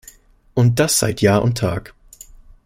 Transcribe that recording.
Und das seit Jahr und Tag.